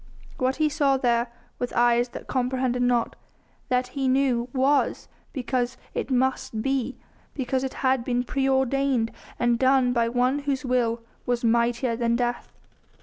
What he saw there with eyes that comprehended not that he knew was because it must be; because it had been preordained and done by One Whose will was mightier than death.